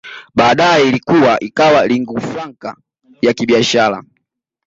Baadae ilikua ikawa linguafranca ya kibiashara